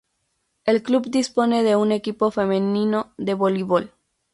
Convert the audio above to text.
El club dispone de un equipo femenino de voleibol.